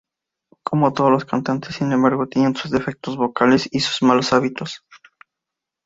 Como todos los cantantes, sin embargo, tenía sus defectos vocales y sus malos hábitos.